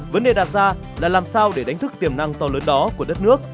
vấn đề đặt ra là làm sao để đánh thức tiềm năng to lớn đó của đất nước